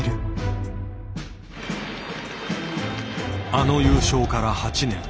あの優勝から８年。